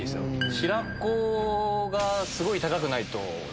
白子がすごい高くないと。